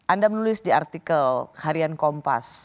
anda menulis di artikel harian kompas